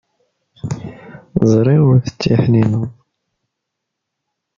Ẓriɣ ur d-ttiḥnineḍ.